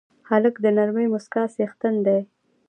هلک د نرمې موسکا څښتن دی.